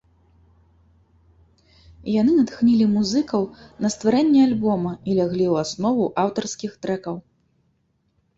Яны натхнілі музыкаў на стварэнне альбома і ляглі ў аснову аўтарскіх трэкаў.